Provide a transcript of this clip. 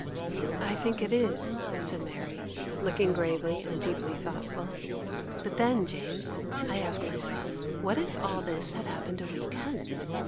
'I think it is,' said Mary, looking gravely and deeply thoughtful. 'But then, James, I ask myself, what if all this had happened a week hence?